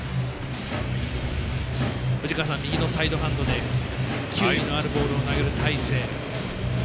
右のサイドハンドで球威のあるボールを投げる大勢。